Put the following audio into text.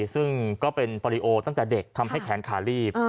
ซึ่งก็เป็นปอริโอตั้งแต่เด็กทำให้แขนขาลีบ